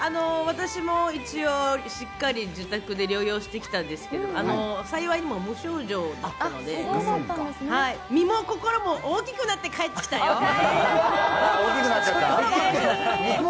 私も一応しっかり自宅で療養してきたんですけれども幸いにも無症状だったので、身の心も大きくなって帰ってきたよ。